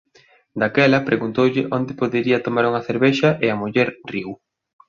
Daquela preguntoulle onde podería tomar unha cervexa e a muller riu.